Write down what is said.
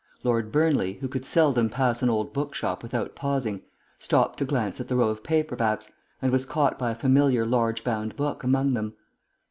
Lord Burnley, who could seldom pass an old bookshop without pausing, stopped to glance at the row of paper backs, and was caught by a familiar large bound book among them.